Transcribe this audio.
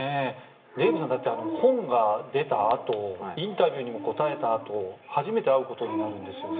デーブさん、本が出たあとインタビューにも答えたあと初めて会うことになるんですよね。